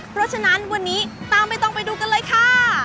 เพราะฉะนั้นวันนี้ตามใบตองไปดูกันเลยค่ะ